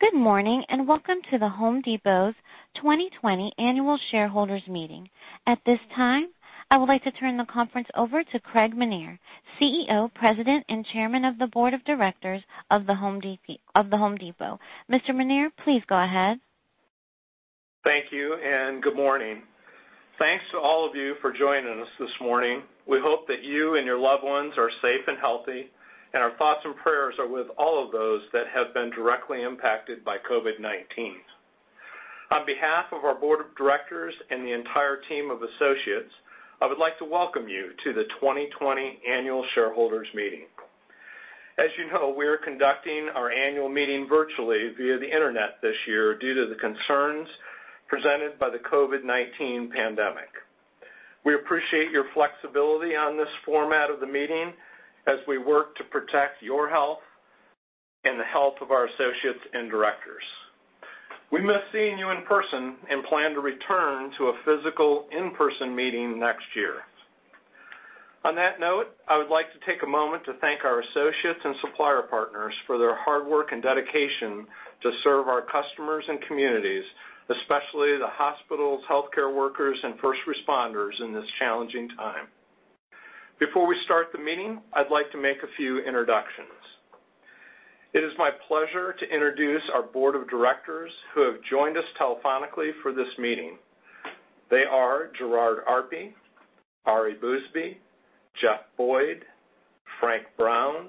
Good morning, and welcome to The Home Depot's 2020 Annual Shareholders Meeting. At this time, I would like to turn the conference over to Craig Menear, CEO, President, and Chairman of the Board of Directors of The Home Depot. Mr. Menear, please go ahead. Thank you. Good morning. Thanks to all of you for joining us this morning. We hope that you and your loved ones are safe and healthy. Our thoughts and prayers are with all of those that have been directly impacted by COVID-19. On behalf of our board of directors and the entire team of associates, I would like to welcome you to the 2020 Annual Shareholders Meeting. As you know, we are conducting our annual meeting virtually via the internet this year due to the concerns presented by the COVID-19 pandemic. We appreciate your flexibility on this format of the meeting as we work to protect your health and the health of our associates and directors. We miss seeing you in person and plan to return to a physical in-person meeting next year. On that note, I would like to take a moment to thank our associates and supplier partners for their hard work and dedication to serve our customers and communities, especially the hospitals, healthcare workers, and first responders in this challenging time. Before we start the meeting, I'd like to make a few introductions. It is my pleasure to introduce our Board of Directors who have joined us telephonically for this meeting. They are Gerard Arpey, Ari Bousbib, Jeffrey Boyd, Frank Brown,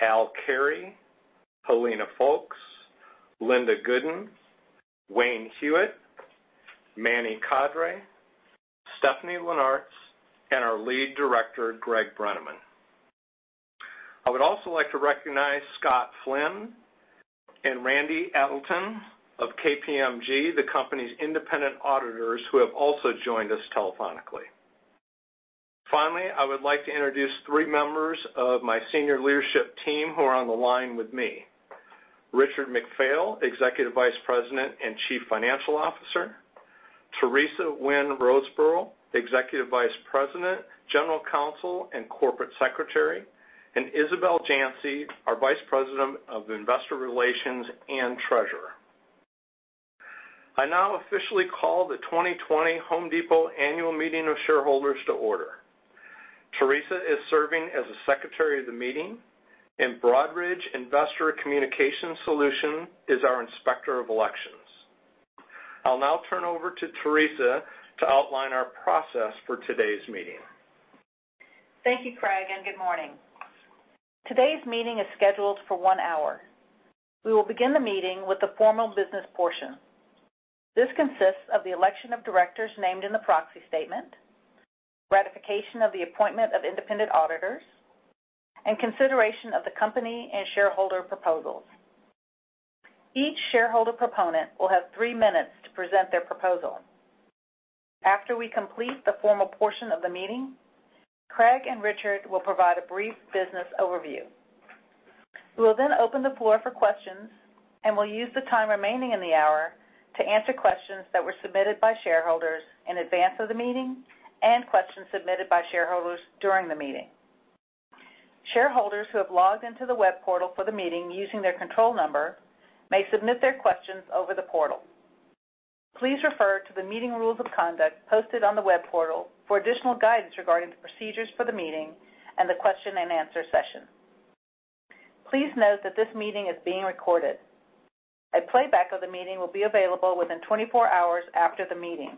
Al Carey, Helena Foulkes, Linda Gooden, Wayne Hewett, Manuel Kadre, Stephanie Linnartz, and our Lead Director, Greg Brenneman. I would also like to recognize Scott Flynn and Randy Elton of KPMG, the company's independent auditors, who have also joined us telephonically. Finally, I would like to introduce three members of my senior leadership team who are on the line with me. Richard McPhail, Executive Vice President and Chief Financial Officer. Teresa Wynn Roseborough, Executive Vice President, General Counsel, and Corporate Secretary, and Isabel Janci, our Vice President of Investor Relations and Treasurer. I now officially call the 2020 Home Depot Annual Meeting of Shareholders to order. Teresa is serving as the secretary of the meeting, and Broadridge Investor Communication Solutions is our inspector of elections. I'll now turn over to Teresa to outline our process for today's meeting. Thank you, Craig, and good morning. Today's meeting is scheduled for one hour. We will begin the meeting with the formal business portion. This consists of the election of directors named in the proxy statement, ratification of the appointment of independent auditors, and consideration of the company and shareholder proposals. Each shareholder proponent will have three minutes to present their proposal. After we complete the formal portion of the meeting, Craig and Richard will provide a brief business overview. We will then open the floor for questions and will use the time remaining in the hour to answer questions that were submitted by shareholders in advance of the meeting and questions submitted by shareholders during the meeting. Shareholders who have logged into the web portal for the meeting using their control number may submit their questions over the portal. Please refer to the meeting rules of conduct posted on the web portal for additional guidance regarding the procedures for the meeting and the question-and-answer session. Please note that this meeting is being recorded. A playback of the meeting will be available within 24 hours after the meeting.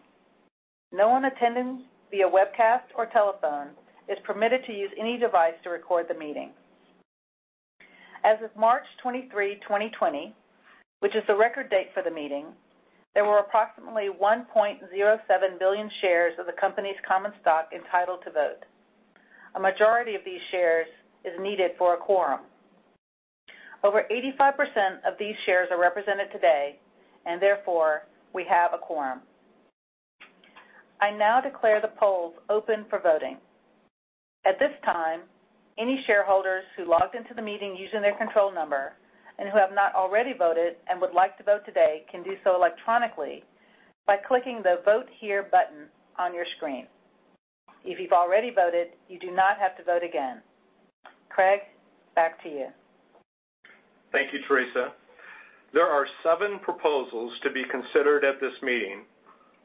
No one attending via webcast or telephone is permitted to use any device to record the meeting. As of March 23, 2020, which is the record date for the meeting, there were approximately 1.07 billion shares of the company's common stock entitled to vote. A majority of these shares is needed for a quorum. Over 85% of these shares are represented today, and therefore, we have a quorum. I now declare the polls open for voting. At this time, any shareholders who logged into the meeting using their control number and who have not already voted and would like to vote today can do so electronically by clicking the Vote Here button on your screen. If you've already voted, you do not have to vote again. Craig, back to you. Thank you, Teresa. There are seven proposals to be considered at this meeting,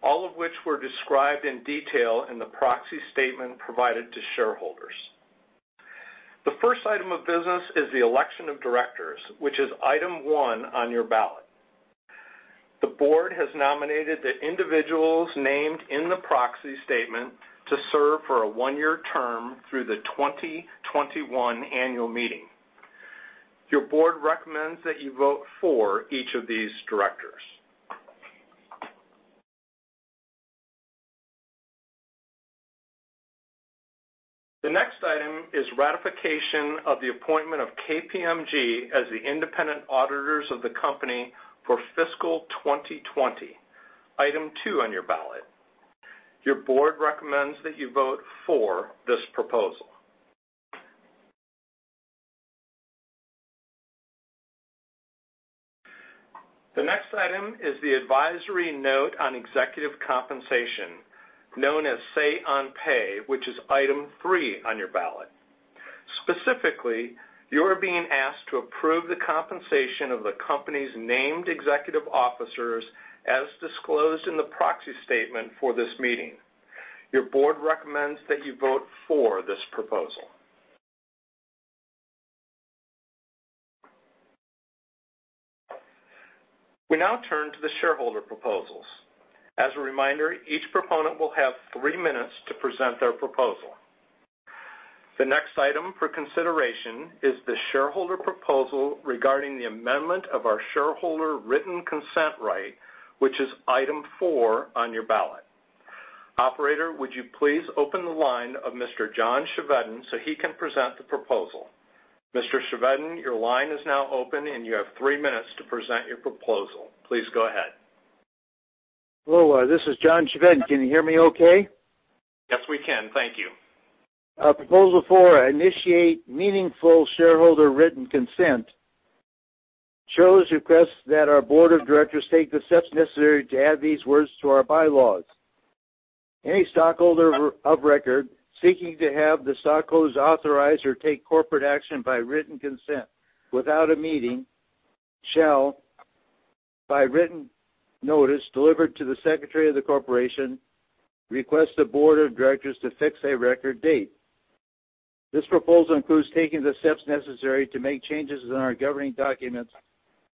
all of which were described in detail in the proxy statement provided to shareholders. The first item of business is the election of directors, which is item one on your ballot. The board has nominated the individuals named in the proxy statement to serve for a one-year term through the 2021 annual meeting. Your board recommends that you vote for each of these directors. The next item is ratification of the appointment of KPMG as the independent auditors of the company for fiscal 2020, item two on your ballot. Your board recommends that you vote for this proposal. The next item is the advisory note on executive compensation, known as Say on Pay, which is item three on your ballot. Specifically, you are being asked to approve the compensation of the company's named executive officers as disclosed in the proxy statement for this meeting. Your board recommends that you vote for this proposal. We now turn to the shareholder proposals. As a reminder, each proponent will have three minutes to present their proposal. The next item for consideration is the shareholder proposal regarding the amendment of our shareholder written consent right, which is item four on your ballot. Operator, would you please open the line of Mr. John Chevedden so he can present the proposal? Mr. Chevedden, your line is now open, and you have three minutes to present your proposal. Please go ahead. Hello. This is John Chevedden. Can you hear me okay? Yes, we can. Thank you. Proposal four, initiate meaningful shareholder written consent, shareholder requests that our board of directors take the steps necessary to add these words to our bylaws. Any stockholder of record seeking to have the stockholders authorize or take corporate action by written consent without a meeting shall, by written notice delivered to the secretary of the corporation, request a board of directors to fix a record date. This proposal includes taking the steps necessary to make changes in our governing documents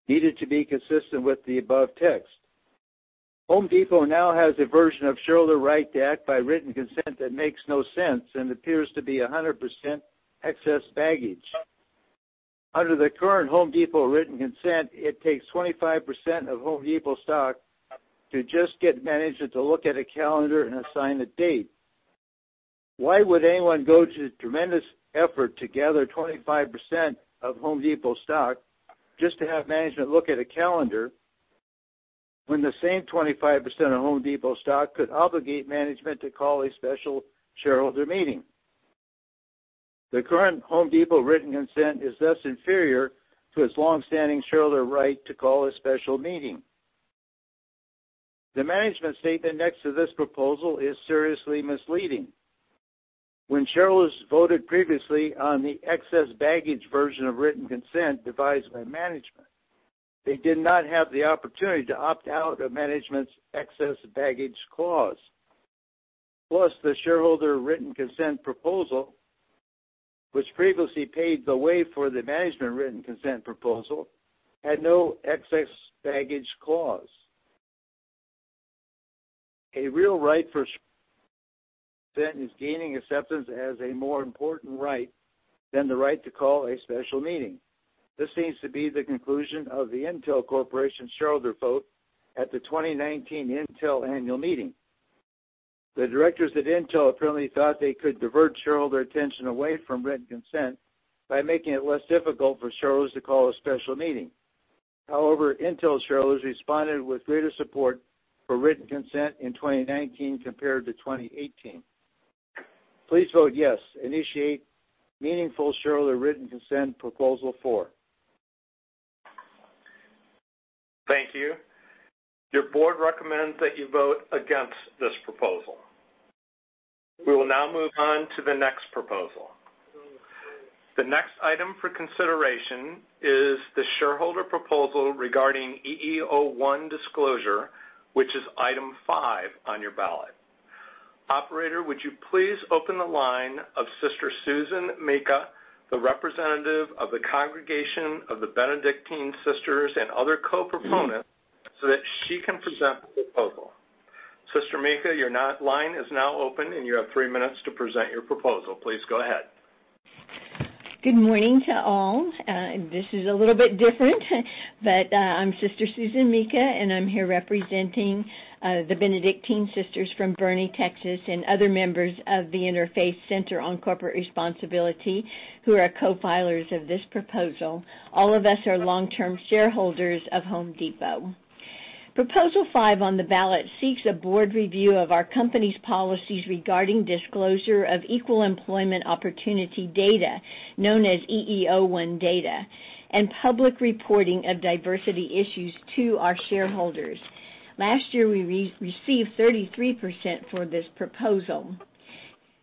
needed to be consistent with the above text. Home Depot now has a version of shareholder right to act by written consent that makes no sense and appears to be 100% excess baggage. Under the current Home Depot written consent, it takes 25% of Home Depot stock to just get management to look at a calendar and assign a date. Why would anyone go to the tremendous effort to gather 25% of Home Depot stock just to have management look at a calendar when the same 25% of Home Depot stock could obligate management to call a special shareholder meeting? The current Home Depot written consent is thus inferior to its longstanding shareholder right to call a special meeting. The management statement next to this proposal is seriously misleading. When shareholders voted previously on the excess baggage version of written consent devised by management, they did not have the opportunity to opt out of management's excess baggage clause. The shareholder written consent proposal, which previously paved the way for the management written consent proposal, had no excess baggage clause. A real right is gaining acceptance as a more important right than the right to call a special meeting. This seems to be the conclusion of the Intel Corporation shareholder vote at the 2019 Intel annual meeting. The directors at Intel apparently thought they could divert shareholder attention away from written consent by making it less difficult for shareholders to call a special meeting. Intel shareholders responded with greater support for written consent in 2019 compared to 2018. Please vote yes. Initiate meaningful shareholder written consent, proposal four. Thank you. Your board recommends that you vote against this proposal. We will now move on to the next proposal. The next item for consideration is the shareholder proposal regarding EEO-1 disclosure, which is item five on your ballot. Operator, would you please open the line of Sister Susan Mika, the representative of the congregation of the Benedictine Sisters and other co-proponents so that she can present the proposal. Sister Mika, your line is now open, and you have three minutes to present your proposal. Please go ahead. Good morning to all. This is a little bit different, but I'm Sister Susan Mika, and I'm here representing the Benedictine Sisters from Boerne, Texas, and other members of the Interfaith Center on Corporate Responsibility, who are co-filers of this proposal. All of us are long-term shareholders of Home Depot. Proposal five on the ballot seeks a board review of our company's policies regarding disclosure of Equal Employment Opportunity data, known as EEO-1 data, and public reporting of diversity issues to our shareholders. Last year, we received 33% for this proposal.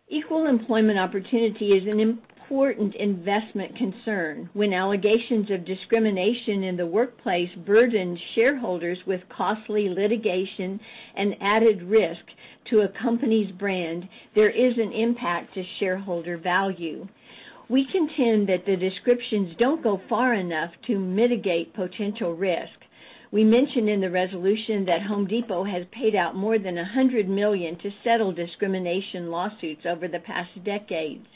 Equal Employment Opportunity is an important investment concern. When allegations of discrimination in the workplace burden shareholders with costly litigation and added risk to a company's brand, there is an impact to shareholder value. We contend that the descriptions don't go far enough to mitigate potential risk. We mentioned in the resolution that Home Depot has paid out more than $100 million to settle discrimination lawsuits over the past decades.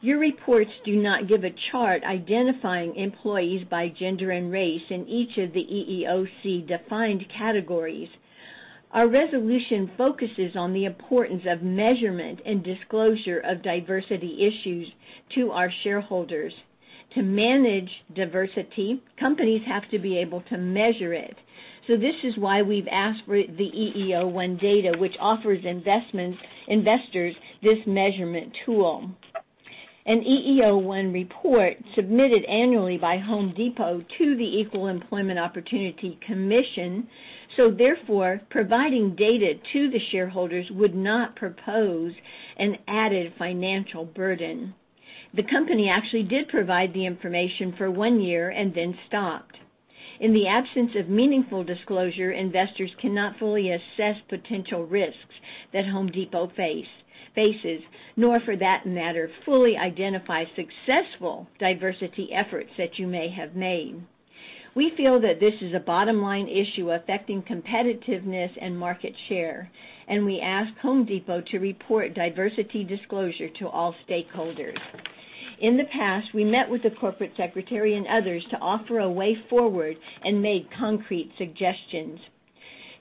Your reports do not give a chart identifying employees by gender and race in each of the EEOC-defined categories. Our resolution focuses on the importance of measurement and disclosure of diversity issues to our shareholders. To manage diversity, companies have to be able to measure it. This is why we've asked for the EEO-1 data, which offers investors this measurement tool. An EEO-1 report submitted annually by Home Depot to the Equal Employment Opportunity Commission, providing data to the shareholders would not propose an added financial burden. The company actually did provide the information for one year and then stopped. In the absence of meaningful disclosure, investors cannot fully assess potential risks that The Home Depot faces, nor for that matter, fully identify successful diversity efforts that you may have made. We feel that this is a bottom-line issue affecting competitiveness and market share. We ask The Home Depot to report diversity disclosure to all stakeholders. In the past, we met with the corporate secretary and others to offer a way forward and made concrete suggestions.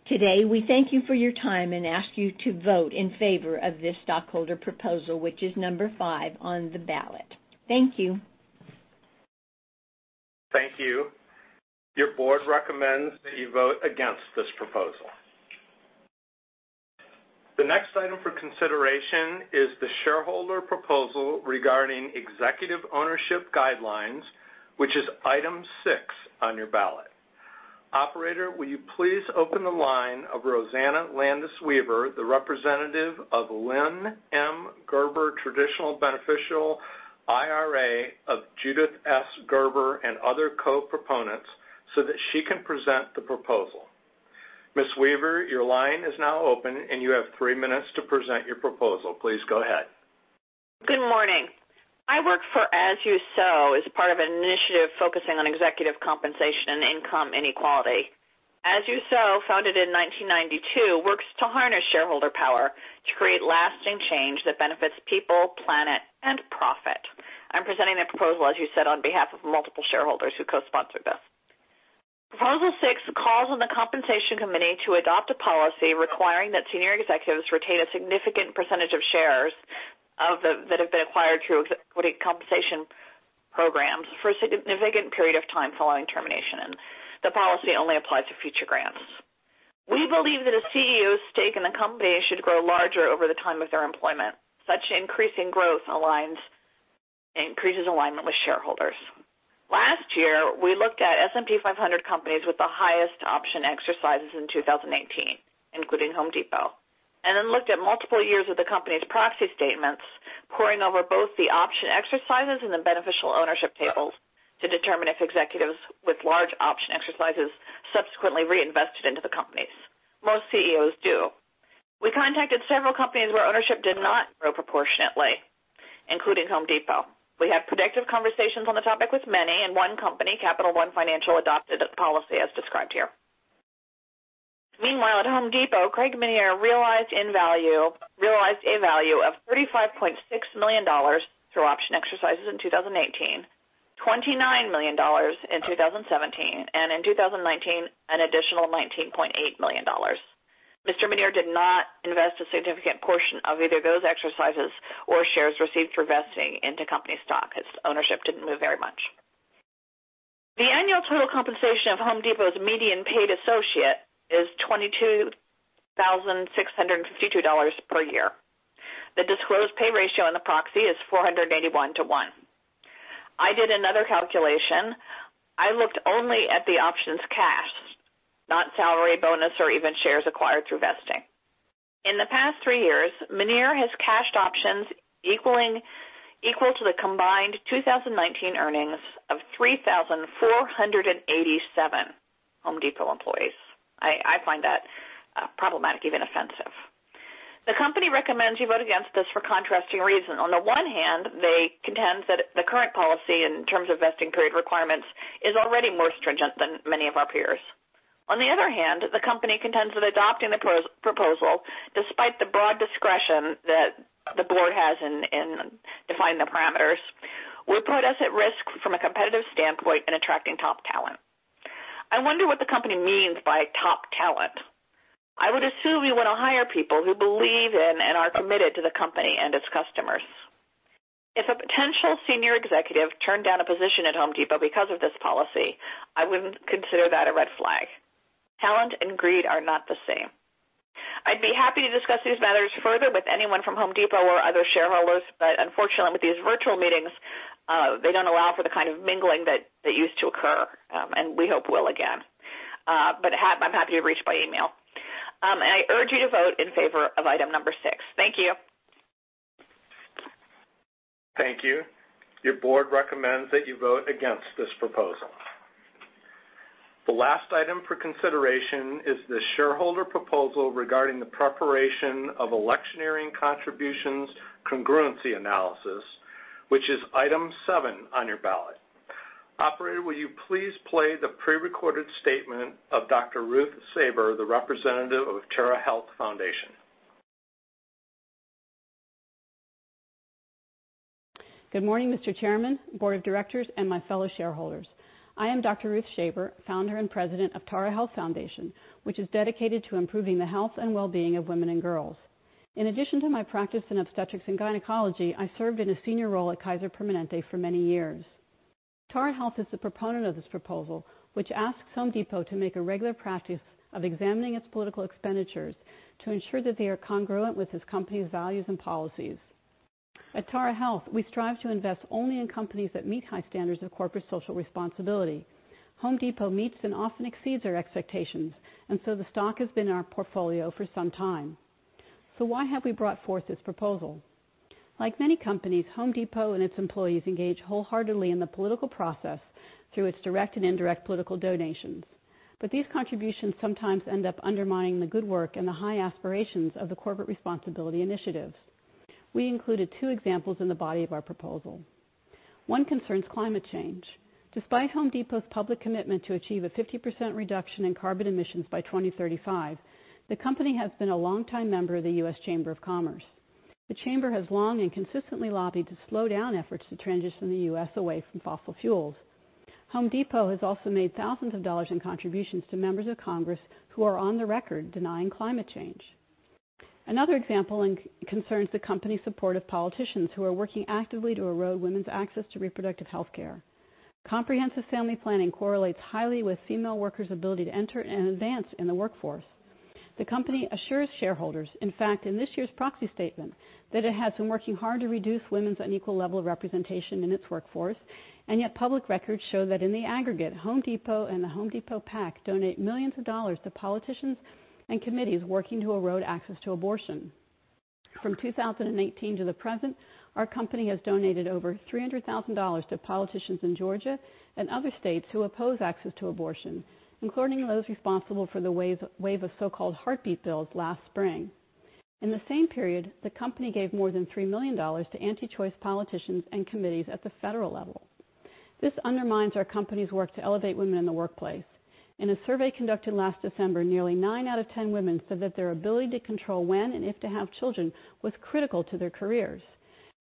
Today, we thank you for your time and ask you to vote in favor of this stockholder proposal, which is number five on the ballot. Thank you. Thank you. Your board recommends that you vote against this proposal. The next item for consideration is the shareholder proposal regarding executive ownership guidelines, which is item six on your ballot. Operator, will you please open the line of Rosanna Landis Weaver, the representative of Lynn M. Gerber Traditional Beneficial IRA of Judith S. Gerber and other co-proponents, so that she can present the proposal. Ms. Weaver, your line is now open, and you have three minutes to present your proposal. Please go ahead. Good morning. I work for As You Sow as part of an initiative focusing on executive compensation and income inequality. As You Sow, founded in 1992, works to harness shareholder power to create lasting change that benefits people, planet, and profit. I'm presenting the proposal, as you said, on behalf of multiple shareholders who co-sponsored this. Proposal six calls on the compensation committee to adopt a policy requiring that senior executives retain a significant percentage of shares that have been acquired through equity compensation programs for a significant period of time following termination. The policy only applies to future grants. We believe that a CEO's stake in the company should grow larger over the time of their employment. Such increasing growth increases alignment with shareholders. Last year, we looked at S&P 500 companies with the highest option exercises in 2018, including Home Depot, and then looked at multiple years of the company's proxy statements, poring over both the option exercises and the beneficial ownership tables to determine if executives with large option exercises subsequently reinvested into the companies. Most CEOs do. We contracted several companies where ownership did not grow proportionately, including Home Depot. We have productive conversations on the topic with many. In one company, Capital One Financial, adopted a policy as described here. Meanwhile, at Home Depot, Craig Menear realized a value of $35.6 million through option exercises in 2018, $29 million in 2017, and in 2019, an additional $19.8 million. Mr. Menear did not invest a significant portion of either those exercises or shares received for vesting into company stock. His ownership didn't move very much. The annual total compensation of The Home Depot's median paid associate is $22,652 per year. The disclosed pay ratio in the proxy is 481:1. I did another calculation. I looked only at the options cashed, not salary, bonus, or even shares acquired through vesting. In the past three years, Menear has cashed options equal to the combined 2019 earnings of 3,487 The Home Depot employees. I find that problematic, even offensive. The company recommends you vote against this for contrasting reason. On the one hand, they contend that the current policy in terms of vesting period requirements is already more stringent than many of our peers. On the other hand, the company contends that adopting the proposal, despite the broad discretion that the board has in defining the parameters, would put us at risk from a competitive standpoint in attracting top talent. I wonder what the company means by top talent. I would assume you want to hire people who believe in and are committed to the company and its customers. If a potential senior executive turned down a position at Home Depot because of this policy, I would consider that a red flag. Talent and greed are not the same. I'd be happy to discuss these matters further with anyone from Home Depot or other shareholders, unfortunately, with these virtual meetings, they don't allow for the kind of mingling that used to occur, and we hope will again. I'm happy to be reached by email. I urge you to vote in favor of item number six. Thank you. Thank you. Your board recommends that you vote against this proposal. The last item for consideration is the shareholder proposal regarding the preparation of electioneering contributions congruency analysis, which is item seven on your ballot. Operator, will you please play the pre-recorded statement of Dr. Ruth Shaber, the representative of Tara Health Foundation. Good morning, Mr. Chairman, board of directors, and my fellow shareholders. I am Dr. Ruth Shaber, founder and president of Tara Health Foundation, which is dedicated to improving the health and well-being of women and girls. In addition to my practice in obstetrics and gynecology, I served in a senior role at Kaiser Permanente for many years. Tara Health is the proponent of this proposal, which asks Home Depot to make a regular practice of examining its political expenditures to ensure that they are congruent with this company's values and policies. At Tara Health, we strive to invest only in companies that meet high standards of corporate social responsibility. Home Depot meets and often exceeds our expectations. The stock has been in our portfolio for some time. Why have we brought forth this proposal? Like many companies, Home Depot and its employees engage wholeheartedly in the political process through its direct and indirect political donations. These contributions sometimes end up undermining the good work and the high aspirations of the corporate responsibility initiatives. We included two examples in the body of our proposal. One concerns climate change. Despite Home Depot's public commitment to achieve a 50% reduction in carbon emissions by 2035, the company has been a longtime member of the US Chamber of Commerce. The Chamber has long and consistently lobbied to slow down efforts to transition the U.S. away from fossil fuels. Home Depot has also made thousands of dollars in contributions to members of Congress who are on the record denying climate change. Another example concerns the company's support of politicians who are working actively to erode women's access to reproductive healthcare. Comprehensive family planning correlates highly with female workers' ability to enter and advance in the workforce. The company assures shareholders, in fact, in this year's proxy statement, that it has been working hard to reduce women's unequal level of representation in its workforce, yet public records show that in the aggregate, Home Depot and the Home Depot PAC donate millions of dollars to politicians and committees working to erode access to abortion. From 2018 to the present, our company has donated over $300,000 to politicians in Georgia and other states who oppose access to abortion, including those responsible for the wave of so-called heartbeat bills last spring. In the same period, the company gave more than $3 million to anti-choice politicians and committees at the federal level. This undermines our company's work to elevate women in the workplace. In a survey conducted last December, nearly nine out of 10 women said that their ability to control when and if to have children was critical to their careers.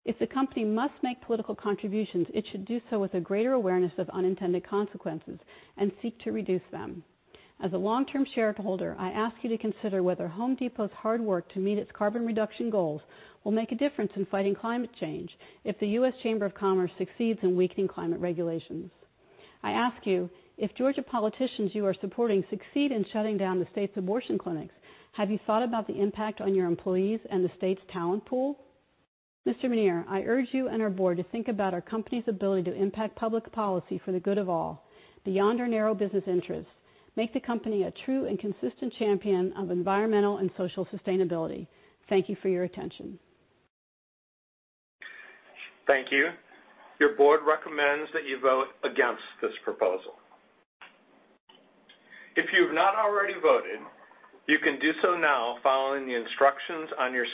If the company must make political contributions, it should do so with a greater awareness of unintended consequences and seek to reduce them. As a long-term shareholder, I ask you to consider whether The Home Depot's hard work to meet its carbon reduction goals will make a difference in fighting climate change if the U.S. Chamber of Commerce succeeds in weakening climate regulations. I ask you, if Georgia politicians you are supporting succeed in shutting down the state's abortion clinics, have you thought about the impact on your employees and the state's talent pool? Mr. Menear, I urge you and our board to think about our company's ability to impact public policy for the good of all, beyond our narrow business interests. Make the company a true and consistent champion of environmental and social sustainability. Thank you for your attention. Thank you. Your board recommends that you vote against this proposal. If you have not already voted, you can do so now, following the instructions on your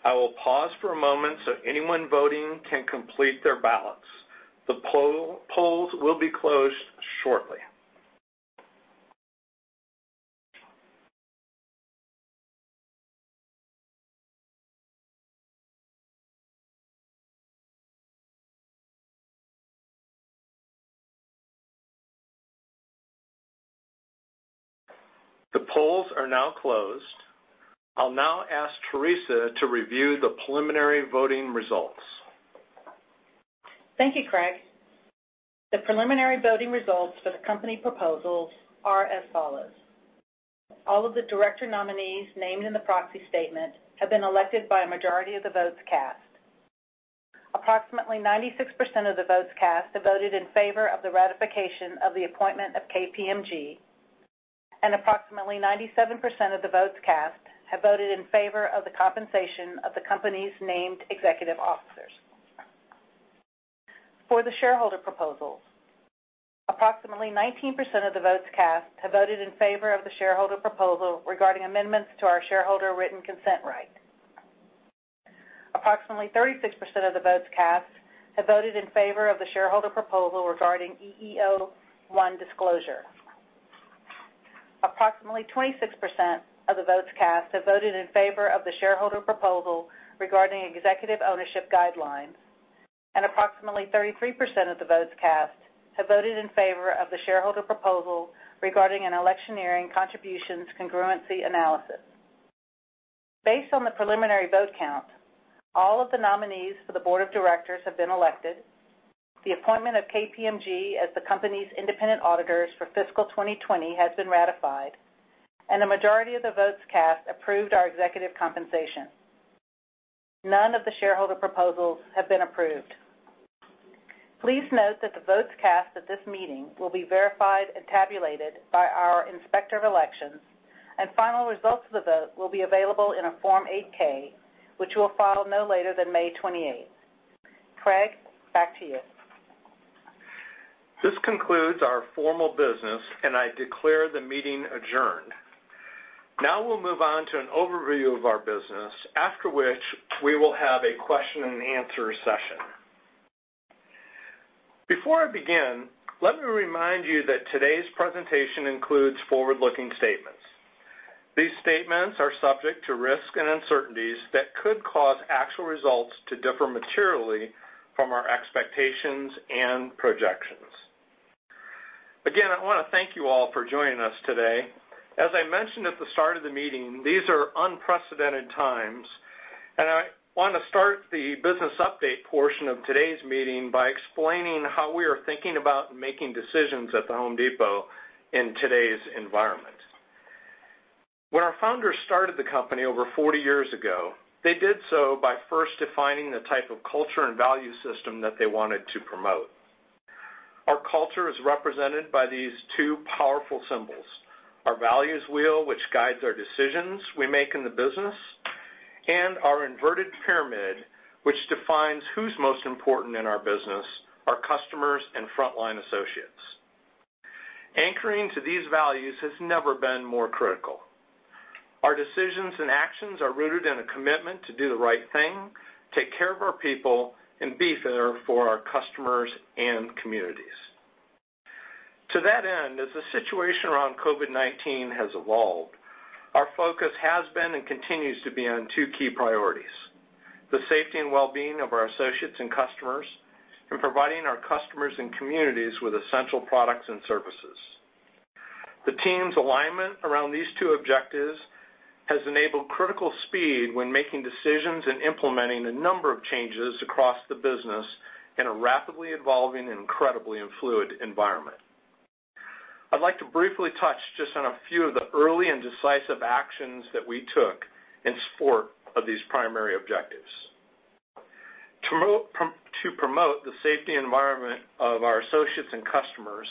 screen. I will pause for a moment so anyone voting can complete their ballots. The polls will be closed shortly. The polls are now closed. I'll now ask Teresa to review the preliminary voting results. Thank you, Craig. The preliminary voting results for the company proposals are as follows. All of the director nominees named in the proxy statement have been elected by a majority of the votes cast. Approximately 96% of the votes cast have voted in favor of the ratification of the appointment of KPMG, and approximately 97% of the votes cast have voted in favor of the compensation of the company's named executive officers. For the shareholder proposals, approximately 19% of the votes cast have voted in favor of the shareholder proposal regarding amendments to our shareholder written consent right. Approximately 36% of the votes cast have voted in favor of the shareholder proposal regarding EEO-1 disclosure. Approximately 26% of the votes cast have voted in favor of the shareholder proposal regarding executive ownership guidelines, and approximately 33% of the votes cast have voted in favor of the shareholder proposal regarding an electioneering contributions congruency analysis. Based on the preliminary vote count, all of the nominees for the board of directors have been elected. The appointment of KPMG as the company's independent auditors for fiscal 2020 has been ratified, and a majority of the votes cast approved our executive compensation. None of the shareholder proposals have been approved. Please note that the votes cast at this meeting will be verified and tabulated by our Inspector of Elections, and final results of the vote will be available in a Form 8-K, which we'll file no later than May 28th. Craig, back to you. This concludes our formal business, and I declare the meeting adjourned. Now we'll move on to an overview of our business, after which we will have a question-and-answer session. Before I begin, let me remind you that today's presentation includes forward-looking statements. These statements are subject to risks and uncertainties that could cause actual results to differ materially from our expectations and projections. Again, I want to thank you all for joining us today. As I mentioned at the start of the meeting, these are unprecedented times, and I want to start the business update portion of today's meeting by explaining how we are thinking about making decisions at The Home Depot in today's environment. When our founders started the company over 40 years ago, they did so by first defining the type of culture and value system that they wanted to promote. Our culture is represented by these two powerful symbols. Our values wheel, which guides our decisions we make in the business, and our inverted pyramid, which defines who's most important in our business, our customers and frontline associates. Anchoring to these values has never been more critical. Our decisions and actions are rooted in a commitment to do the right thing, take care of our people, and be there for our customers and communities. To that end, as the situation around COVID-19 has evolved, our focus has been and continues to be on two key priorities, the safety and wellbeing of our associates and customers, and providing our customers and communities with essential products and services. The team's alignment around these two objectives has enabled critical speed when making decisions and implementing a number of changes across the business in a rapidly evolving and incredibly fluid environment. I'd like to briefly touch just on a few of the early and decisive actions that we took in support of these primary objectives. To promote the safety environment of our associates and customers,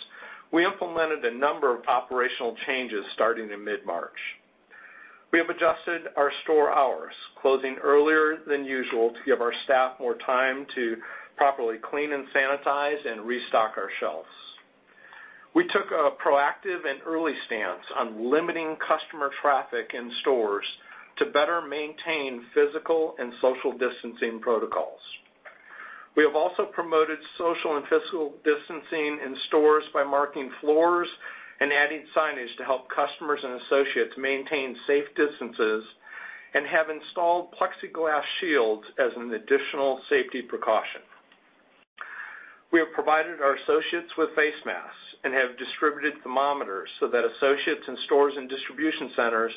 we implemented a number of operational changes starting in mid-March. We have adjusted our store hours, closing earlier than usual to give our staff more time to properly clean and sanitize and restock our shelves. We took a proactive and early stance on limiting customer traffic in stores to better maintain physical and social distancing protocols. We have also promoted social and physical distancing in stores by marking floors and adding signage to help customers and associates maintain safe distances and have installed plexiglass shields as an additional safety precaution. We have provided our associates with face masks and have distributed thermometers so that associates in stores and distribution centers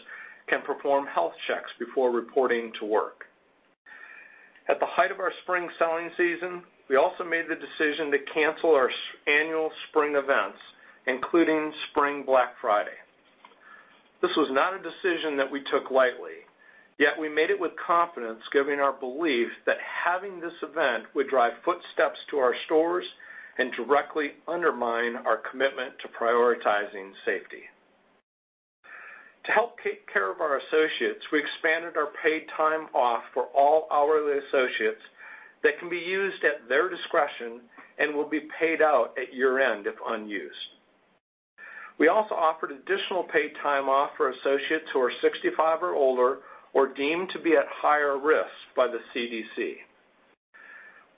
can perform health checks before reporting to work. At the height of our spring selling season, we also made the decision to cancel our annual spring events, including Spring Black Friday. This was not a decision that we took lightly, yet we made it with confidence given our belief that having this event would drive footsteps to our stores and directly undermine our commitment to prioritizing safety. To help take care of our associates, we expanded our paid time off for all hourly associates that can be used at their discretion and will be paid out at year-end if unused. We also offered additional paid time off for associates who are 65 or older or deemed to be at higher risk by the CDC.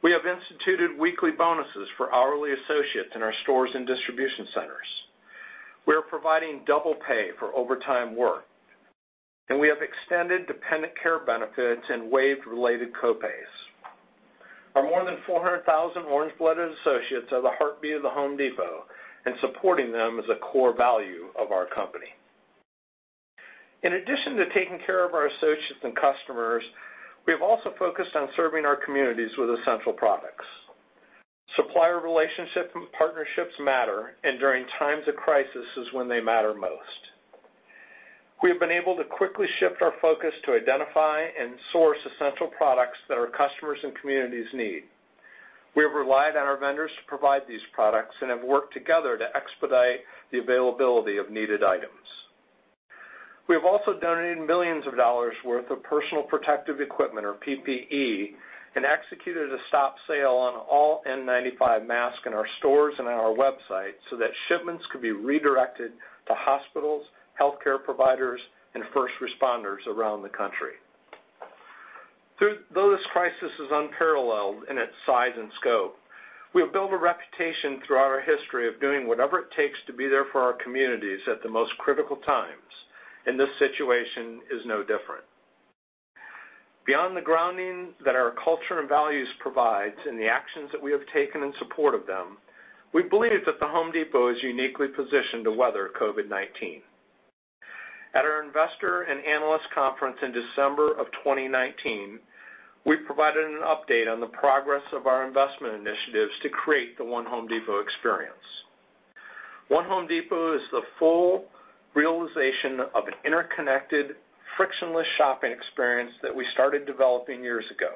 We have instituted weekly bonuses for hourly associates in our stores and distribution centers. We are providing double pay for overtime work, and we have extended dependent care benefits and waived related co-pays. Our more than 400,000 Orange-blooded associates are the heartbeat of The Home Depot, and supporting them is a core value of our company. In addition to taking care of our associates and customers, we have also focused on serving our communities with essential products. Supplier relationships and partnerships matter, and during times of crisis is when they matter most. We have been able to quickly shift our focus to identify and source essential products that our customers and communities need. We have relied on our vendors to provide these products and have worked together to expedite the availability of needed items. We have also donated millions of dollars worth of personal protective equipment, or PPE, and executed a stop sale on all N95 masks in our stores and on our website so that shipments could be redirected to hospitals, healthcare providers, and first responders around the country. Though this crisis is unparalleled in its size and scope, we have built a reputation throughout our history of doing whatever it takes to be there for our communities at the most critical times, and this situation is no different. Beyond the grounding that our culture and values provides and the actions that we have taken in support of them, we believe that The Home Depot is uniquely positioned to weather COVID-19. At our investor and analyst conference in December of 2019, we provided an update on the progress of our investment initiatives to create the One Home Depot experience. One Home Depot is the full realization of an interconnected, frictionless shopping experience that we started developing years ago.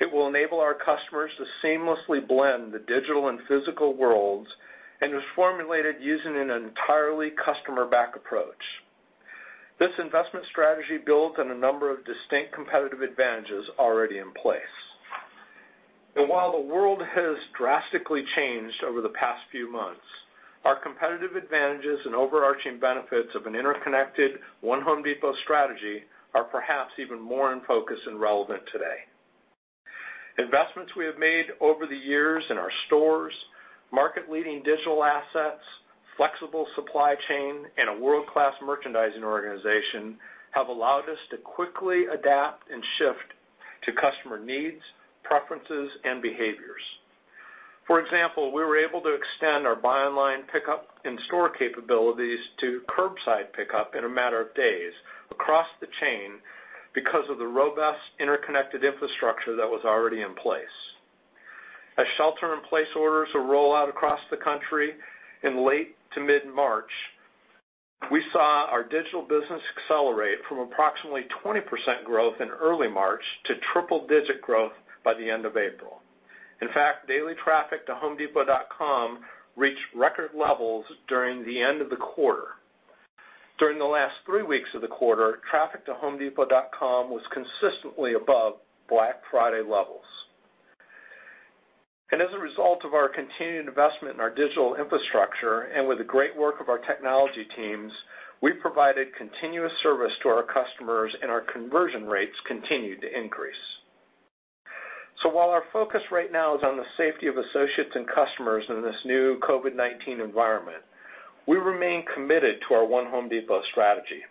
It will enable our customers to seamlessly blend the digital and physical worlds and is formulated using an entirely customer-back approach. This investment strategy builds on a number of distinct competitive advantages already in place. While the world has drastically changed over the past few months, our competitive advantages and overarching benefits of an interconnected One Home Depot strategy are perhaps even more in focus and relevant today. Investments we have made over the years in our stores, market-leading digital assets, flexible supply chain, and a world-class merchandising organization have allowed us to quickly adapt and shift to customer needs, preferences, and behaviors. For example, we were able to extend our buy online, pickup in store capabilities to curbside pickup in a matter of days across the chain because of the robust, interconnected infrastructure that was already in place. As shelter-in-place orders roll out across the country in late to mid-March. We saw our digital business accelerate from approximately 20% growth in early March to triple-digit growth by the end of April. In fact, daily traffic to homedepot.com reached record levels during the end of the quarter. During the last three weeks of the quarter, traffic to homedepot.com was consistently above Black Friday levels. As a result of our continued investment in our digital infrastructure and with the great work of our technology teams, we provided continuous service to our customers, and our conversion rates continued to increase. While our focus right now is on the safety of associates and customers in this new COVID-19 environment, we remain committed to our One Home Depot strategy.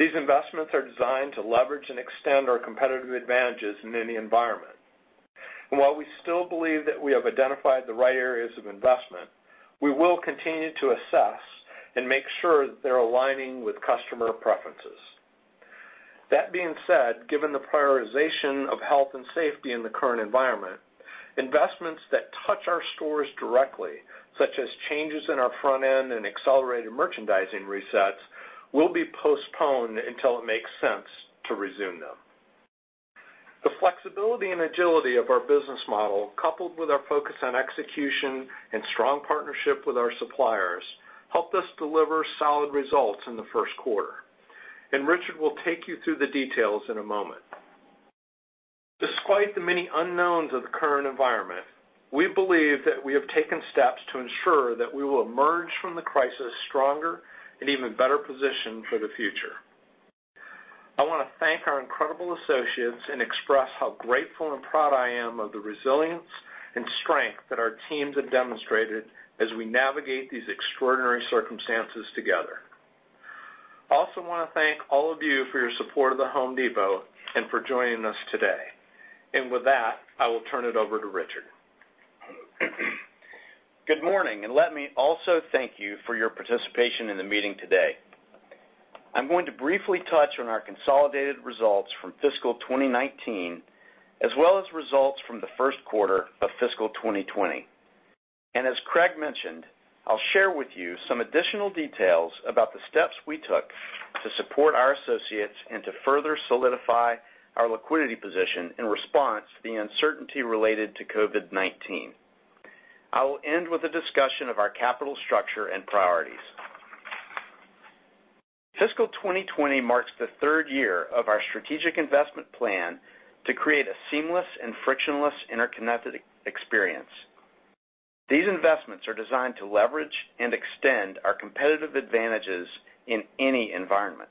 These investments are designed to leverage and extend our competitive advantages in any environment. While we still believe that we have identified the right areas of investment, we will continue to assess and make sure that they're aligning with customer preferences. That being said, given the prioritization of health and safety in the current environment, investments that touch our stores directly, such as changes in our front end and accelerated merchandising resets, will be postponed until it makes sense to resume them. The flexibility and agility of our business model, coupled with our focus on execution and strong partnership with our suppliers, helped us deliver solid results in the first quarter. Richard will take you through the details in a moment. Despite the many unknowns of the current environment, we believe that we have taken steps to ensure that we will emerge from the crisis stronger and even better positioned for the future. I want to thank our incredible associates and express how grateful and proud I am of the resilience and strength that our teams have demonstrated as we navigate these extraordinary circumstances together. I also want to thank all of you for your support of The Home Depot and for joining us today. With that, I will turn it over to Richard. Good morning, and let me also thank you for your participation in the meeting today. I'm going to briefly touch on our consolidated results from fiscal 2019, as well as results from the first quarter of fiscal 2020. As Craig mentioned, I'll share with you some additional details about the steps we took to support our associates and to further solidify our liquidity position in response to the uncertainty related to COVID-19. I will end with a discussion of our capital structure and priorities. Fiscal 2020 marks the third year of our strategic investment plan to create a seamless and frictionless interconnected experience. These investments are designed to leverage and extend our competitive advantages in any environment.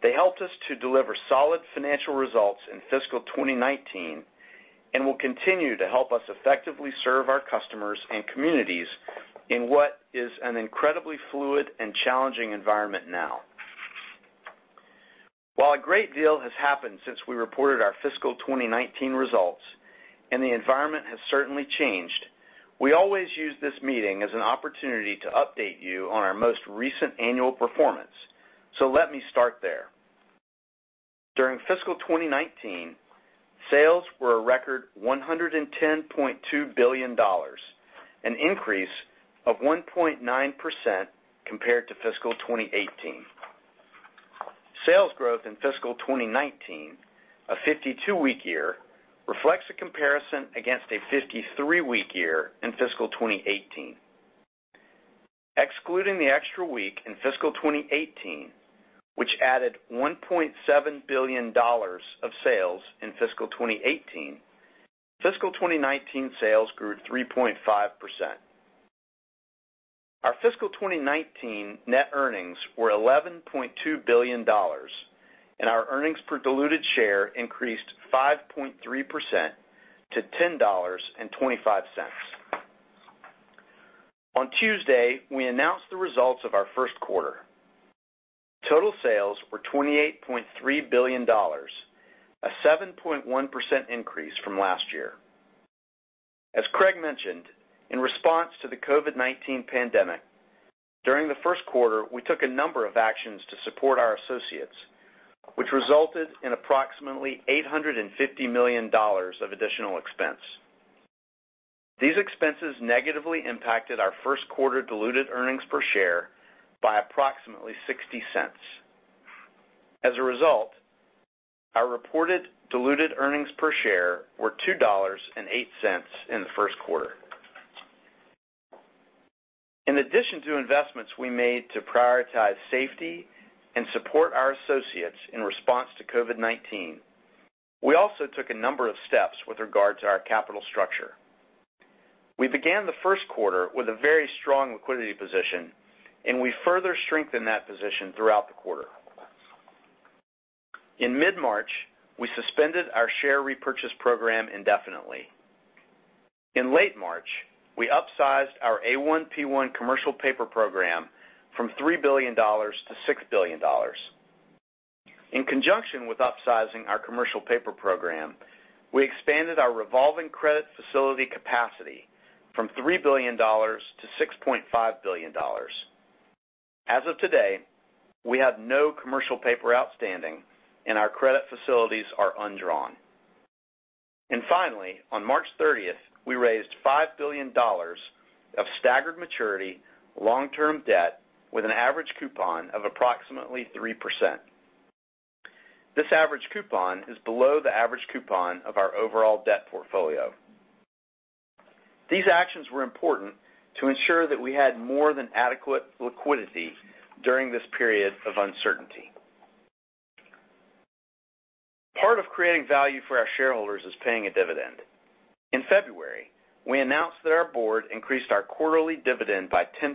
They helped us to deliver solid financial results in fiscal 2019, and will continue to help us effectively serve our customers and communities in what is an incredibly fluid and challenging environment now. While a great deal has happened since we reported our fiscal 2019 results, and the environment has certainly changed, we always use this meeting as an opportunity to update you on our most recent annual performance. Let me start there. During fiscal 2019, sales were a record $110.2 billion, an increase of 1.9% compared to fiscal 2018. Sales growth in fiscal 2019, a 52-week year, reflects a comparison against a 53-week year in fiscal 2018. Excluding the extra week in fiscal 2018, which added $1.7 billion of sales in fiscal 2018, fiscal 2019 sales grew 3.5%. Our fiscal 2019 net earnings were $11.2 billion, and our earnings per diluted share increased 5.3% to $10.25. On Tuesday, we announced the results of our first quarter. Total sales were $28.3 billion, a 7.1% increase from last year. As Craig mentioned, in response to the COVID-19 pandemic, during the first quarter, we took a number of actions to support our associates, which resulted in approximately $850 million of additional expense. These expenses negatively impacted our first quarter diluted earnings per share by approximately $0.60. As a result, our reported diluted earnings per share were $2.08 in the first quarter. In addition to investments we made to prioritize safety and support our associates in response to COVID-19, we also took a number of steps with regard to our capital structure. We began the first quarter with a very strong liquidity position, and we further strengthened that position throughout the quarter. In mid-March, we suspended our share repurchase program indefinitely. In late March, we upsized our A1/P1 commercial paper program from $3-6 billion. In conjunction with upsizing our commercial paper program, we expanded our revolving credit facility capacity from $3-6.5 billion. As of today, we have no commercial paper outstanding, and our credit facilities are undrawn. Finally, on March 30, we raised $5 billion of staggered maturity, long-term debt with an average coupon of approximately 3%. This average coupon is below the average coupon of our overall debt portfolio. These actions were important to ensure that we had more than adequate liquidity during this period of uncertainty. Part of creating value for our shareholders is paying a dividend. In February, we announced that our board increased our quarterly dividend by 10%,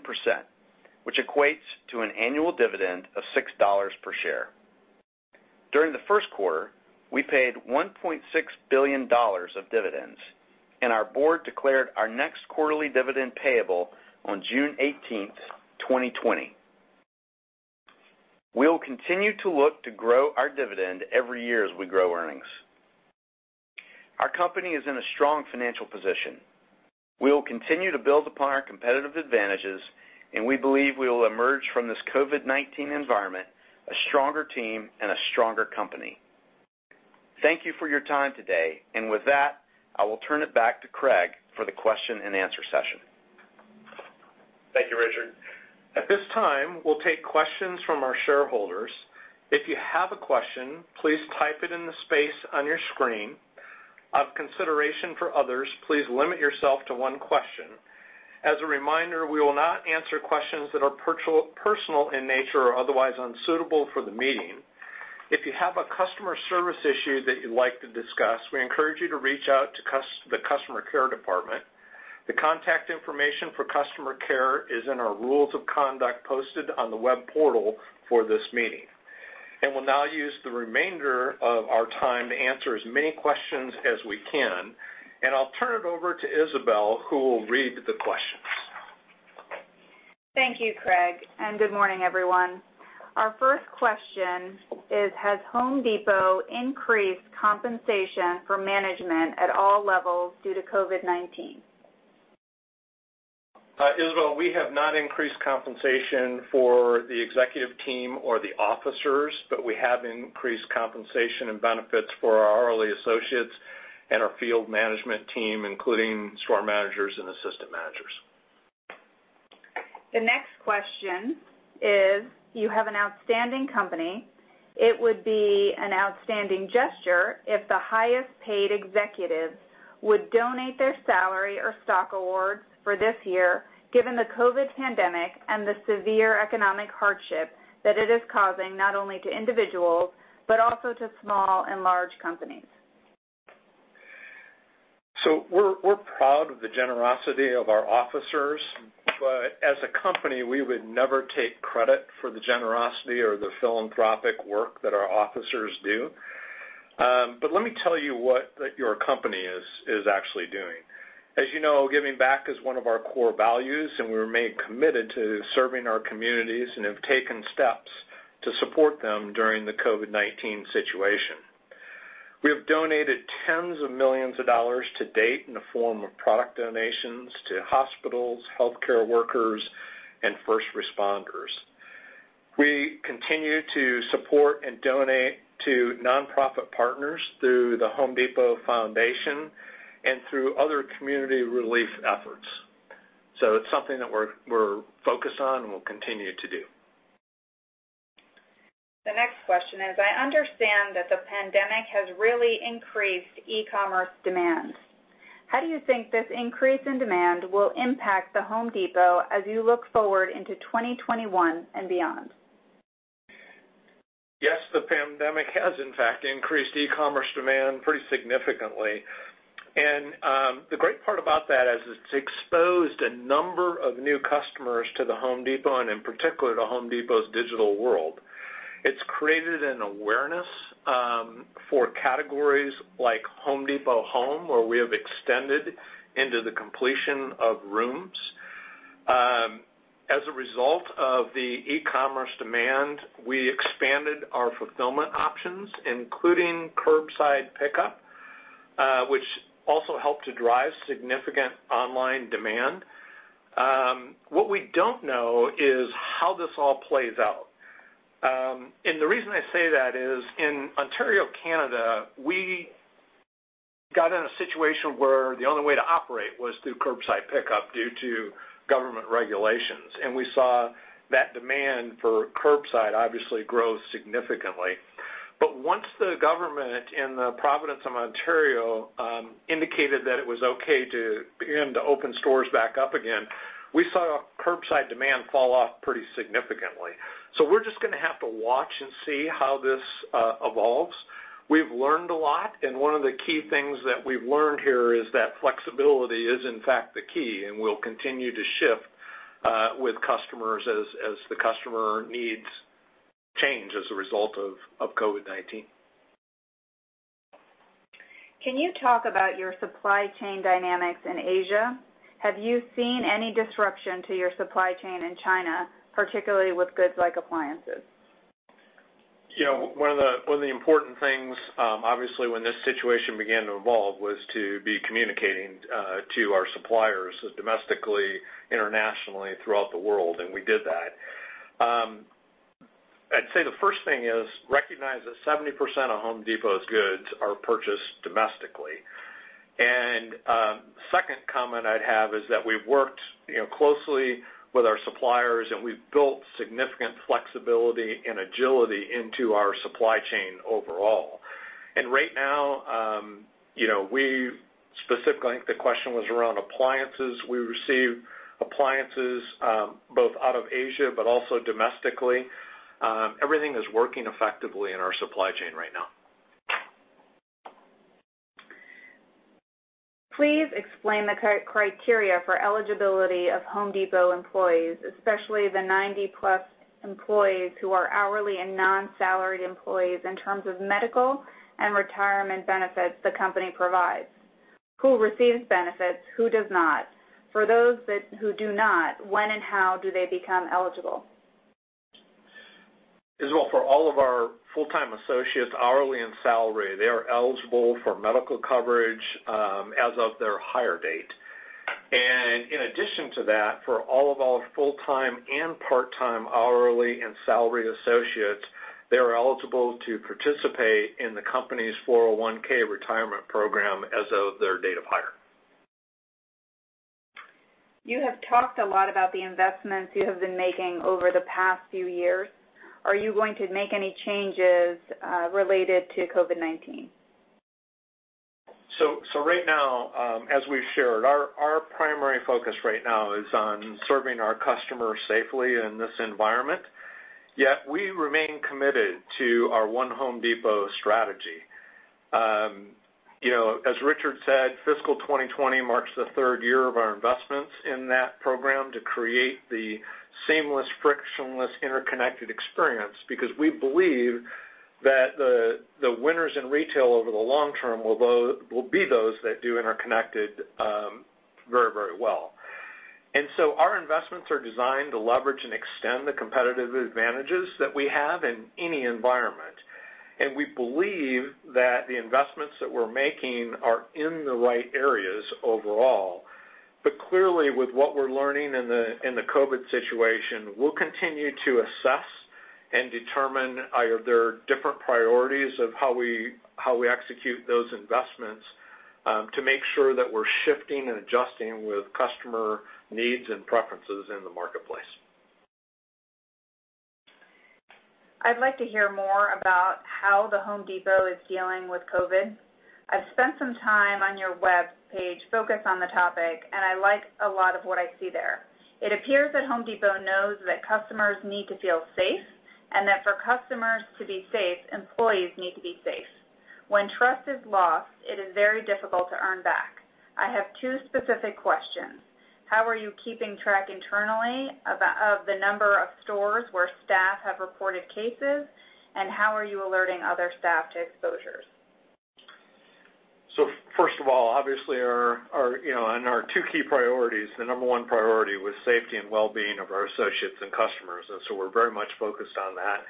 which equates to an annual dividend of $6 per share. During the first quarter, we paid $1.6 billion of dividends. Our board declared our next quarterly dividend payable on June 18, 2020. We will continue to look to grow our dividend every year as we grow earnings. Our company is in a strong financial position. We will continue to build upon our competitive advantages. We believe we will emerge from this COVID-19 environment a stronger team and a stronger company. Thank you for your time today. With that, I will turn it back to Craig for the question-and-answer session. Thank you, Richard. At this time, we'll take questions from our shareholders. If you have a question, please type it in the space on your screen. Of consideration for others, please limit yourself to one question. As a reminder, we will not answer questions that are personal in nature or otherwise unsuitable for the meeting. If you have a customer service issue that you'd like to discuss, we encourage you to reach out to the customer care department. The contact information for customer care is in our rules of conduct posted on the web portal for this meeting. We'll now use the remainder of our time to answer as many questions as we can, and I'll turn it over to Isabel, who will read the questions. Thank you, Craig, and good morning, everyone. Our first question is, Has Home Depot increased compensation for management at all levels due to COVID-19? Isabel, we have not increased compensation for the executive team or the officers, but we have increased compensation and benefits for our hourly associates and our field management team, including store managers and assistant managers. The next question is, You have an outstanding company. It would be an outstanding gesture if the highest-paid executives would donate their salary or stock awards for this year, given the COVID pandemic and the severe economic hardship that it is causing, not only to individuals, but also to small and large companies. We're proud of the generosity of our officers. As a company, we would never take credit for the generosity or the philanthropic work that our officers do. Let me tell you what your company is actually doing. As you know, giving back is one of our core values, and we remain committed to serving our communities and have taken steps to support them during the COVID-19 situation. We have donated tens of millions of dollars to date in the form of product donations to hospitals, healthcare workers, and first responders. We continue to support and donate to nonprofit partners through The Home Depot Foundation and through other community relief efforts. It's something that we're focused on and we'll continue to do. The next question is, I understand that the pandemic has really increased e-commerce demand. How do you think this increase in demand will impact The Home Depot as you look forward into 2021 and beyond? Yes, the pandemic has, in fact, increased e-commerce demand pretty significantly. The great part about that is it's exposed a number of new customers to The Home Depot, and in particular, to Home Depot's digital world. It's created an awareness for categories like Home Depot Home, where we have extended into the completion of rooms. As a result of the e-commerce demand, we expanded our fulfillment options, including curbside pickup, which also helped to drive significant online demand. What we don't know is how this all plays out. The reason I say that is in Ontario, Canada, we got in a situation where the only way to operate was through curbside pickup due to government regulations. We saw that demand for curbside obviously grow significantly. Once the government in the province of Ontario indicated that it was okay to begin to open stores back up again, we saw curbside demand fall off pretty significantly. We're just going to have to watch and see how this evolves. We've learned a lot, and one of the key things that we've learned here is that flexibility is, in fact, the key, and we'll continue to shift with customers as the customer needs change as a result of COVID-19. Can you talk about your supply chain dynamics in Asia? Have you seen any disruption to your supply chain in China, particularly with goods like appliances? One of the important things, obviously when this situation began to evolve, was to be communicating to our suppliers domestically, internationally, throughout the world, and we did that. I'd say the first thing is recognize that 70% of The Home Depot's goods are purchased domestically. Second comment I'd have is that we've worked closely with our suppliers, and we've built significant flexibility and agility into our supply chain overall. Right now, we specifically, I think the question was around appliances. We receive appliances both out of Asia but also domestically. Everything is working effectively in our supply chain right now. Please explain the criteria for eligibility of Home Depot employees, especially the 90% of employees who are hourly and non-salaried employees in terms of medical and retirement benefits the company provides. Who receives benefits? Who does not? For those who do not, when and how do they become eligible? Isabel, for all of our full-time associates, hourly and salary, they are eligible for medical coverage as of their hire date. In addition to that, for all of our full-time and part-time hourly and salary associates, they are eligible to participate in the company's 401(k) retirement program as of their date of hire. You have talked a lot about the investments you have been making over the past few years. Are you going to make any changes related to COVID-19? Right now, as we've shared, our primary focus right now is on serving our customers safely in this environment, yet we remain committed to our One Home Depot strategy. As Richard said, fiscal 2020 marks the third year of our investments in that program to create the seamless, frictionless, interconnected experience because we believe that the winners in retail over the long term will be those that do interconnected very well. Our investments are designed to leverage and extend the competitive advantages that we have in any environment. We believe that the investments that we're making are in the right areas overall. Clearly, with what we're learning in the COVID situation, we'll continue to assess and determine are there different priorities of how we execute those investments to make sure that we're shifting and adjusting with customer needs and preferences in the marketplace. I'd like to hear more about how The Home Depot is dealing with COVID. I've spent some time on your webpage focused on the topic, and I like a lot of what I see there. It appears that Home Depot knows that customers need to feel safe, and that for customers to be safe, employees need to be safe. When trust is lost, it is very difficult to earn back. I have two specific questions. How are you keeping track internally of the number of stores where staff have reported cases? How are you alerting other staff to exposures? First of all, obviously, in our two key priorities, the number one priority was safety and well-being of our associates and customers. We're very much focused on that.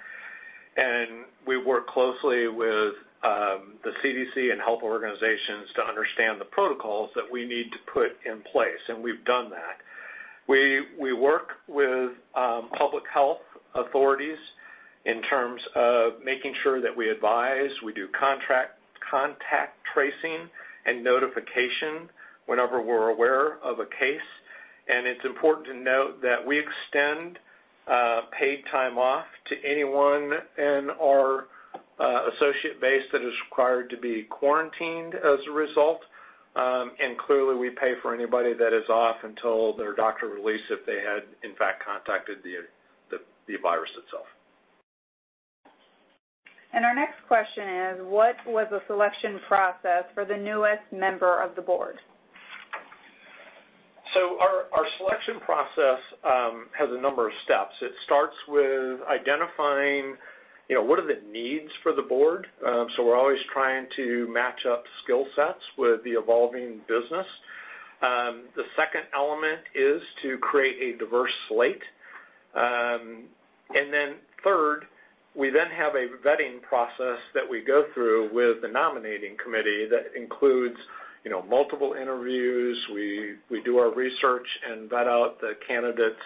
We work closely with the CDC and health organizations to understand the protocols that we need to put in place, and we've done that. We work with public health authorities in terms of making sure that we advise, we do contact tracing, and notification whenever we're aware of a case. It's important to note that we extend paid time off to anyone in our associate base that is required to be quarantined as a result. Clearly, we pay for anybody that is off until their doctor release if they had in fact contacted the virus itself. Our next question is, what was the selection process for the newest member of the board? Our selection process has a number of steps. It starts with identifying what are the needs for the board. We're always trying to match up skill sets with the evolving business. The second element is to create a diverse slate. Third, we then have a vetting process that we go through with the Nominating Committee that includes multiple interviews. We do our research and vet out the candidates'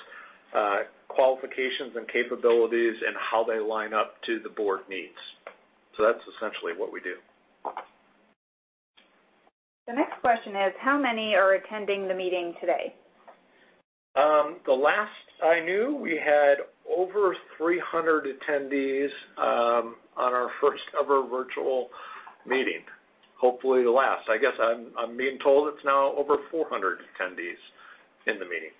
qualifications and capabilities and how they line up to the board needs. That's essentially what we do. The next question is, how many are attending the meeting today? The last I knew, we had over 300 attendees on our first-ever virtual meeting. Hopefully the last. I guess I'm being told it's now over 400 attendees in the meeting.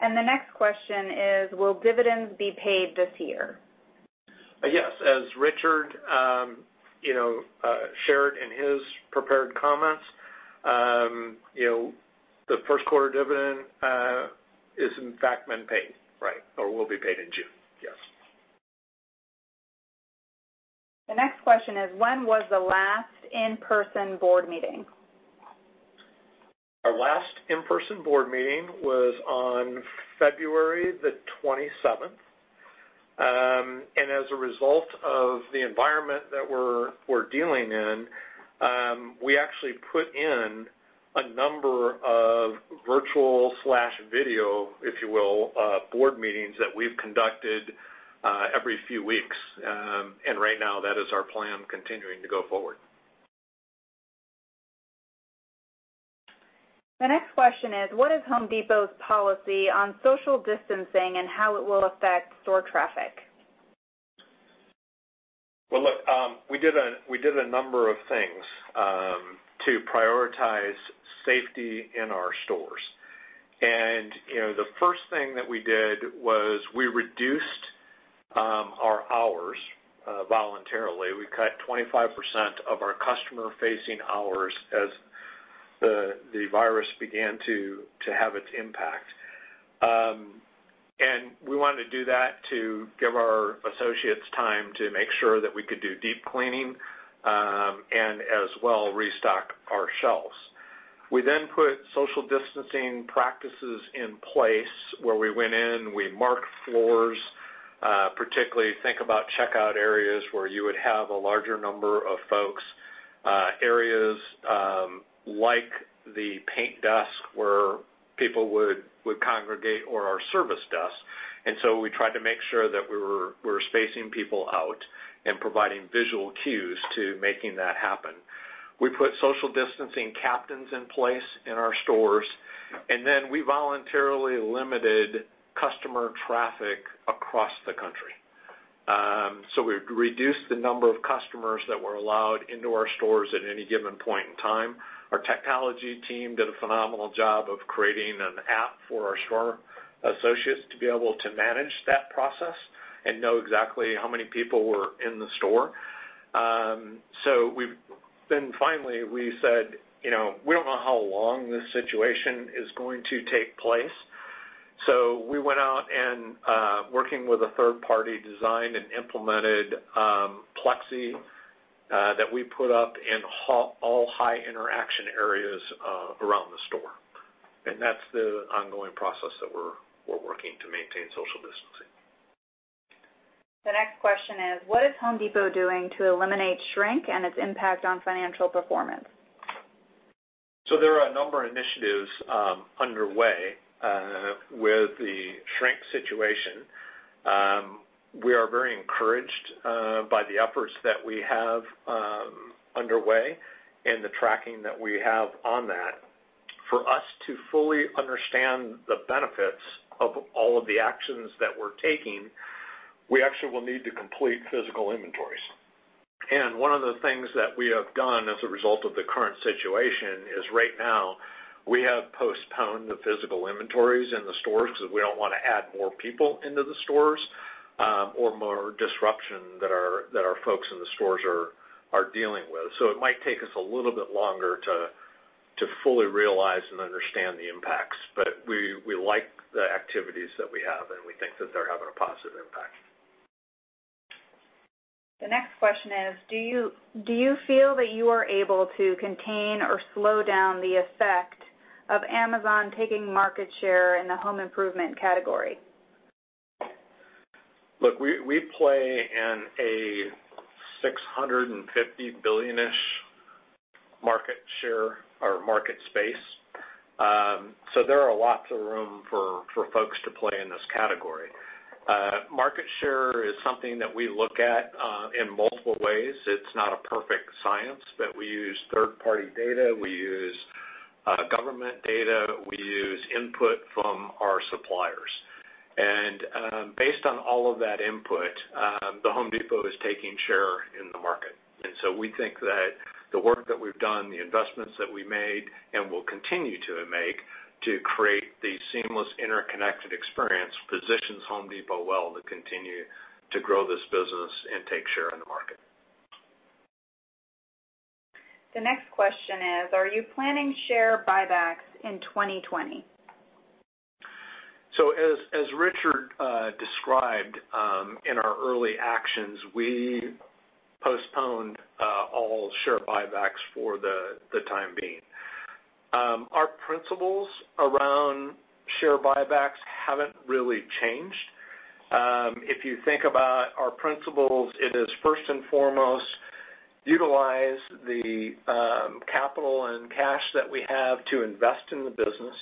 The next question is, will dividends be paid this year? Yes. As Richard shared in his prepared comments, the first quarter dividend is in fact been paid, right, or will be paid in June. Yes. The next question is, when was the last in-person board meeting? Our last in-person board meeting was on February the 27th. As a result of the environment that we're dealing in, we actually put in a number of virtual/video, if you will, board meetings that we've conducted every few weeks. Right now that is our plan continuing to go forward. The next question is, what is The Home Depot's policy on social distancing and how it will affect store traffic? Well, look, we did a number of things to prioritize safety in our stores. The first thing that we did was we reduced our hours voluntarily. We cut 25% of our customer-facing hours as the virus began to have its impact. We wanted to do that to give our associates time to make sure that we could do deep cleaning, and as well, restock our shelves. We then put social distancing practices in place where we went in, we marked floors, particularly think about checkout areas where you would have a larger number of folks, areas like the paint desk where people would congregate, or our service desk. We tried to make sure that we were spacing people out and providing visual cues to making that happen. We put social distancing captains in place in our stores, and then we voluntarily limited customer traffic across the country. We reduced the number of customers that were allowed into our stores at any given point in time. Our technology team did a phenomenal job of creating an app for our store associates to be able to manage that process and know exactly how many people were in the store. Finally we said, "We don't know how long this situation is going to take place." We went out and, working with a third party, designed and implemented plexi that we put up in all high-interaction areas around the store. That's the ongoing process that we're working to maintain social distancing. The next question is, what is The Home Depot doing to eliminate shrink and its impact on financial performance? There are a number of initiatives underway with the shrink situation. We are very encouraged by the efforts that we have underway and the tracking that we have on that. For us to fully understand the benefits of all of the actions that we're taking, we actually will need to complete physical inventories. One of the things that we have done as a result of the current situation is right now we have postponed the physical inventories in the stores because we don't want to add more people into the stores or more disruption that our folks in the stores are dealing with. It might take us a little bit longer to fully realize and understand the impacts. We like the activities that we have, and we think that they're having a positive impact. The next question is, do you feel that you are able to contain or slow down the effect of Amazon taking market share in the home improvement category? Look, we play in a $650 billion-ish market share or market space. There are lots of room for folks to play in this category. Market share is something that we look at in multiple ways. It's not a perfect science, we use third-party data, we use government data, we use input from our suppliers. Based on all of that input, The Home Depot is taking share in the market. We think that the work that we've done, the investments that we made and will continue to make to create the seamless, interconnected experience, positions Home Depot well to continue to grow this business and take share in the market. The next question is, are you planning share buybacks in 2020? As Richard described in our early actions, we postponed all share buybacks for the time being. Our principles around share buybacks haven't really changed. If you think about our principles, it is first and foremost utilize the capital and cash that we have to invest in the business.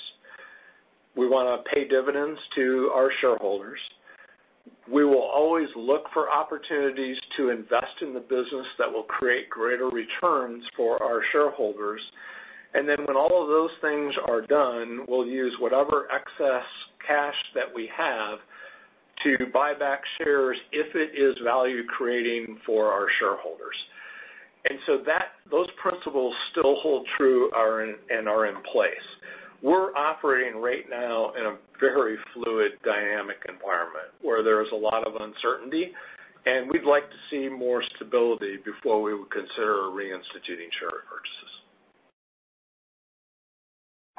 We want to pay dividends to our shareholders. We will always look for opportunities to invest in the business that will create greater returns for our shareholders. When all of those things are done, we'll use whatever excess cash that we have to buy back shares if it is value-creating for our shareholders. Those principles still hold true and are in place. We're operating right now in a very fluid, dynamic environment where there is a lot of uncertainty, and we'd like to see more stability before we would consider reinstituting share purchases.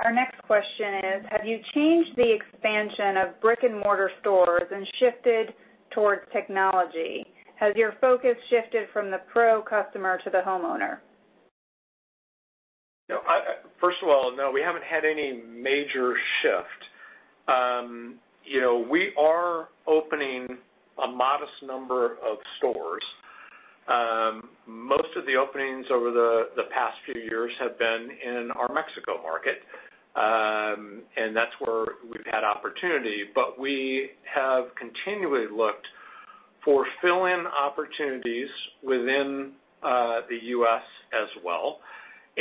Our next question is,` have you changed the expansion of brick and mortar stores and shifted towards technology? Has your focus shifted from the pro customer to the homeowner? First of all, no, we haven't had any major shift. We are opening a modest number of stores. Most of the openings over the past few years have been in our Mexico market, and that's where we've had opportunity. We have continually looked for fill-in opportunities within the U.S. as well,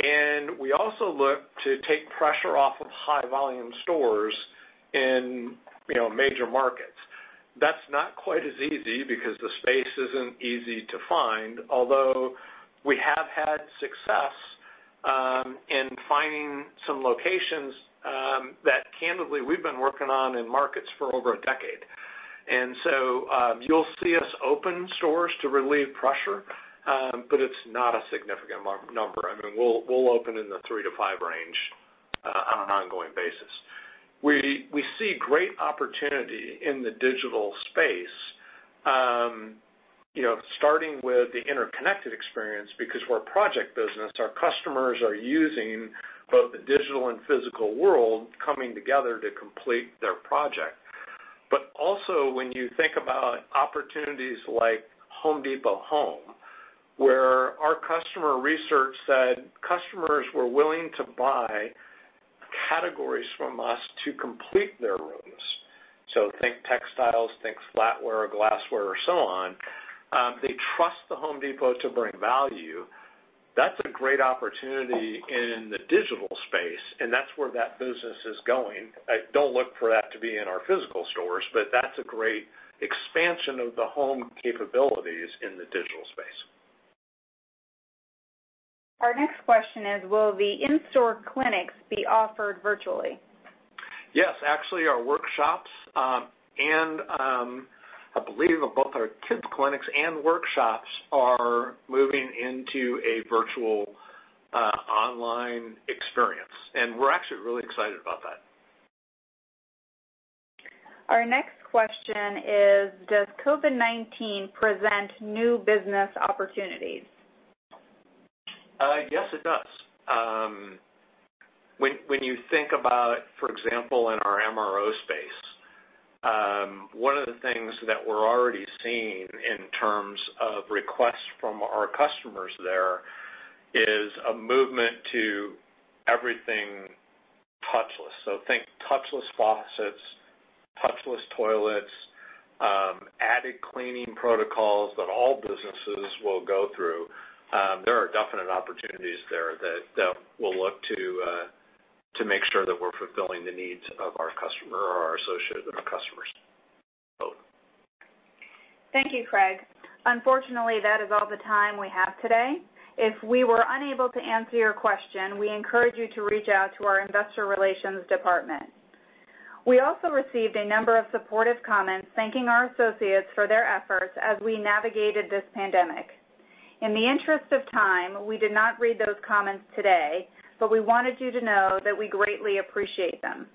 and we also look to take pressure off of high-volume stores in major markets. That's not quite as easy because the space isn't easy to find. We have had success in finding some locations that candidly, we've been working on in markets for over a decade. You'll see us open stores to relieve pressure, but it's not a significant number. I mean, we'll open in the three to five range on an ongoing basis. We see great opportunity in the digital space, starting with the interconnected experience because we're a project business. Our customers are using both the digital and physical world coming together to complete their project. Also when you think about opportunities like Home Depot Home, where our customer research said customers were willing to buy categories from us to complete their rooms. Think textiles, think flatware or glassware or so on. They trust The Home Depot to bring value. That's a great opportunity in the digital space, and that's where that business is going. I don't look for that to be in our physical stores, but that's a great expansion of the home capabilities in the digital space. Our next question is, will the in-store clinics be offered virtually? Yes. Actually, our workshops, and I believe both our top clinics and workshops are moving into a virtual online experience, and we're actually really excited about that. Our next question is, does COVID-19 present new business opportunities? Yes, it does. When you think about, for example, in our MRO space, one of the things that we're already seeing in terms of requests from our customers there is a movement to everything touchless. Think touchless faucets, touchless toilets, added cleaning protocols that all businesses will go through. There are definite opportunities there that we'll look to make sure that we're fulfilling the needs of our customer or our associates and our customers. Both. Thank you, Craig. Unfortunately, that is all the time we have today. If we were unable to answer your question, we encourage you to reach out to our investor relations department. We also received a number of supportive comments thanking our associates for their efforts as we navigated this pandemic. In the interest of time, we did not read those comments today, but we wanted you to know that we greatly appreciate them.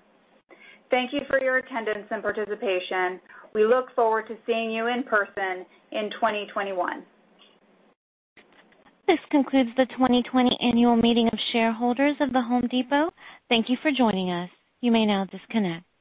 Thank you for your attendance and participation. We look forward to seeing you in person in 2021. This concludes the 2020 annual meeting of shareholders of The Home Depot. Thank you for joining us. You may now disconnect.